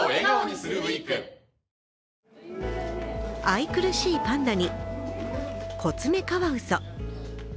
愛くるしいパンダにコツメカワウソ。